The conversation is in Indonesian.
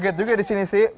nge read juga disini sih